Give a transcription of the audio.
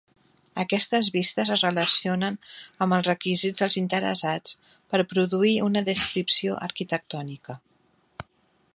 Aquestes vistes es relacionen amb els requisits dels interessats per produir una Descripció Arquitectònica.